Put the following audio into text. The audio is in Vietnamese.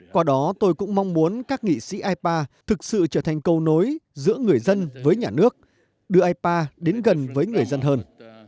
qua đó tôi cũng mong muốn các nghị sĩ ipa thực sự trở thành câu nối giữa người dân với nhà nước đưa ipa đến gần với người dân hơn